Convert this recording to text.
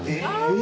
え！